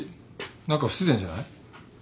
何か不自然じゃない？